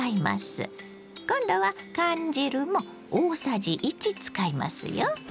今度は缶汁も大さじ１使いますよ。